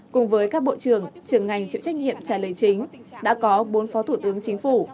cùng với các bộ trưởng trưởng ngành chịu trách nhiệm trả lời chính đã có bốn phó thủ tướng chính phủ